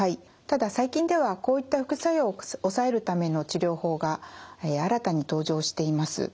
ただ最近ではこういった副作用を抑えるための治療法が新たに登場しています。